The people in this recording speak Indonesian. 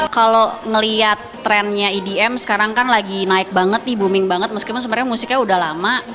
kalau ngeliat trennya edm sekarang kan lagi naik banget nih booming banget meskipun sebenarnya musiknya udah lama